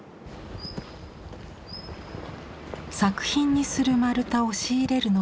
作品にする丸太を仕入れるのもこの場所。